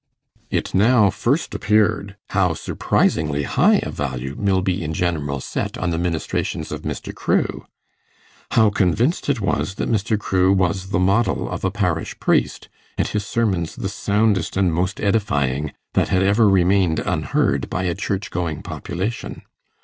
It now first appeared how surprisingly high a value Milby in general set on the ministrations of Mr. Crewe; how convinced it was that Mr. Crewe was the model of a parish priest, and his sermons the soundest and most edifying that had ever remained unheard by a church going population.